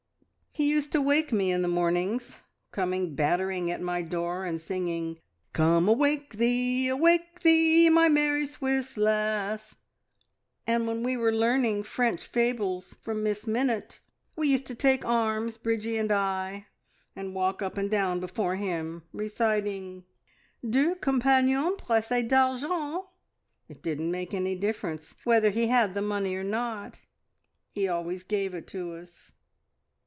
"He used to wake me in the mornings coming battering at my door, and singing, `Come awake thee, awake thee, my merry Swiss lass!' and when we were learning French fables from Miss Minnitt, we used to take arms, Bridgie and I, and walk up and down before him reciting, `Deux compagnons presse d'argent!' It didn't make any difference whether he had the money or not he always gave it to us.